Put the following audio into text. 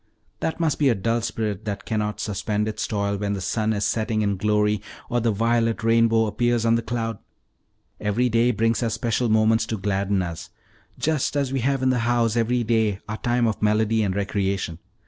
That must be a dull spirit that cannot suspend its toil when the sun is setting in glory, or the violet rainbow appears on the cloud. Every day brings us special moments to gladden us, just as we have in the house every day our time of melody and recreation.